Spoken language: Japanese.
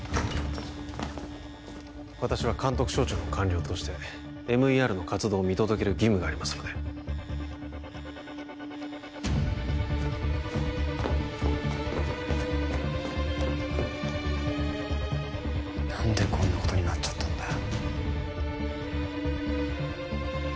私は監督省庁の官僚としてＭＥＲの活動を見届ける義務がありますので何でこんなことになっちゃったんだよ